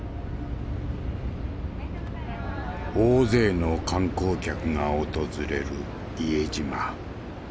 大勢の観光客が訪れる伊江島。